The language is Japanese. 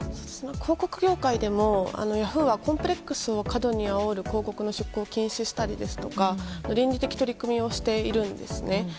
広告業界でもヤフーはコンプレックスを過度にあおる広告を禁止したりですとか倫理的取り組みをしているんですね。